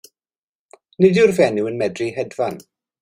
Nid yw'r fenyw yn medru hedfan.